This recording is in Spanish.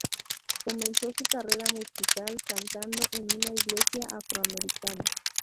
Comenzó su carrera musical cantando en una iglesia afroamericana.